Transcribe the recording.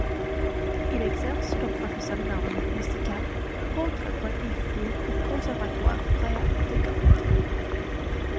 Il exerce comme professeur d'harmonie musicale, contrepoint et fugue au Conservatoire royal de Gand.